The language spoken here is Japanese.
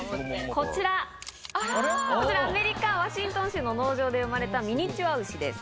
こちら、アメリカ・ワシントン州の農場で産まれたミニチュア牛です。